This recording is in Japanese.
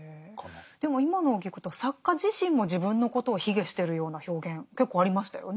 でも今のを聞くと作家自身も自分のことを卑下してるような表現結構ありましたよね。